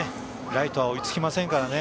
ライトは追いつけませんからね